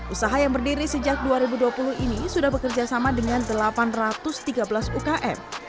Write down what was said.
usaha yang berdiri sejak dua ribu dua puluh ini sudah bekerja sama dengan delapan ratus tiga belas ukm